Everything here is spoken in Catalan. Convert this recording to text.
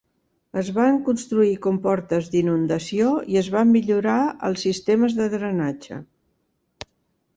Es van construir comportes d'inundació i es van millorar els sistemes de drenatge.